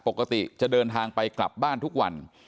ปกติจะเดินทางไปกลับบ้านทุกวัน